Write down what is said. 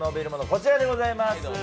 こちらでございます。